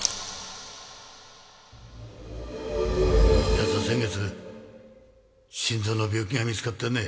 やつは先月心臓の病気が見つかってね。